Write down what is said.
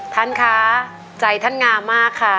ท่านคะใจท่านงามมากค่ะ